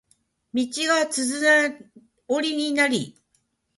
道がつづら折りになり